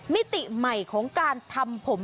มิติใหม่ของการทำผม